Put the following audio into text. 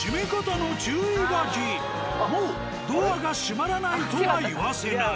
もう「ドアが閉まらない」とは言わせない。